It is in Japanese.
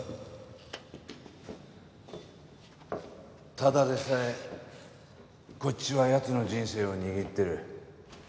ただでさえこっちはヤツの人生を握ってる。